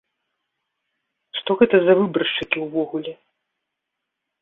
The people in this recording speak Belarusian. Што гэта за выбаршчыкі ўвогуле?